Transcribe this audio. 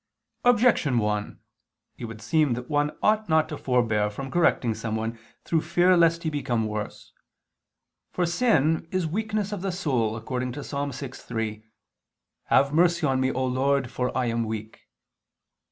Objection 1: It would seem that one ought not to forbear from correcting someone through fear lest he become worse. For sin is weakness of the soul, according to Ps. 6:3: "Have mercy on me, O Lord, for I am weak."